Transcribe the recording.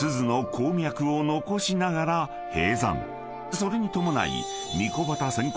［それに伴い］